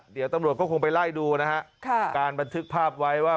เดี๋ยวตำรวจก็คงไปไล่ดูนะฮะการบันทึกภาพไว้ว่า